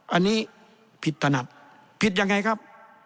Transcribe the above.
อันนี้ผิดถนัดผิดยังไงครับ